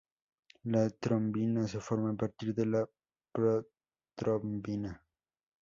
La trombina se forma a partir de la protrombina.